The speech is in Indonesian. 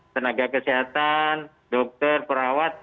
tenaga kesehatan dokter perawat